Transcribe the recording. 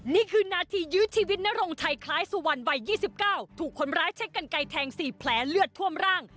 นี่คือนาธิยื้อชีวิตในโรงไทยคล้ายสวรรค์วัยยี่สิบเก้าถูกคนร้ายใช้กันไก่แทงสี่แผลเลือดท่วมร่าง